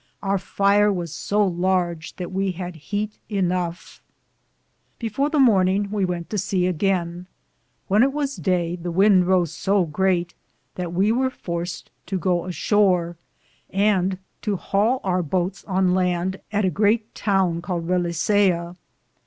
Our fier was so large that we hade hyghte (heat) enoughe. Before the morninge we wente to sea againe. When it was Daye, the wynde rose so greate that we weare forced to goo a shore, and to hale our boates on lande at a greate Towne Called Relezea.